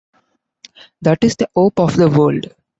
That is the hope of the world.